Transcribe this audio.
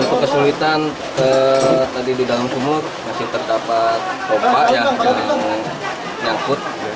untuk kesulitan tadi di dalam sumur masih terdapat pompa yang nyangkut